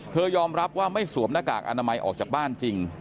ยอมรับว่าไม่สวมหน้ากากอนามัยออกจากบ้านจริง